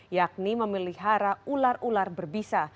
yakni memelihara ular ular berbisa